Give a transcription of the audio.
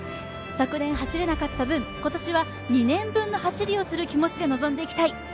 昨年走れなかった分、今年は２年分の走りをする気持ちで臨んでいきたい。